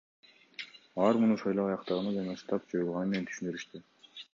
Алар муну шайлоо аяктаганы жана штаб жоюлганы менен түшүндүрүштү.